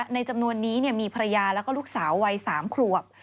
ในจำนวนนี้เนี่ยมีภรรยาแล้วก็ลูกสาววัย๓ครวบ